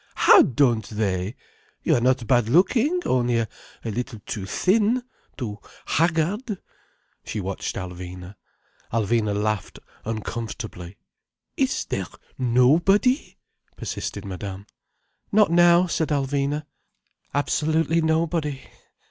"How don't they? You are not bad looking, only a little too thin—too haggard—" She watched Alvina. Alvina laughed uncomfortably. "Is there nobody?" persisted Madame. "Not now," said Alvina. "Absolutely nobody."